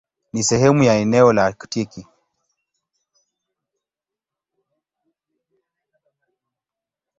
Ni sehemu ya eneo la Aktiki.